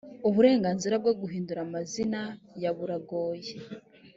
uburenganzira bwo guhindura amazina ya buragoye.